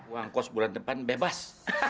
uang kos bulan depan bebas